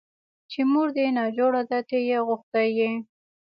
چې مور دې ناجوړه ده ته يې غوښتى يې.